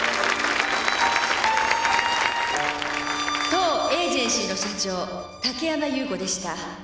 「当エージェンシーの社長竹山祐子でした」